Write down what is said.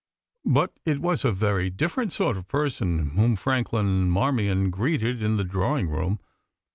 But it was a very different sort of person whom Franklin Marmion greeted in the drawing room.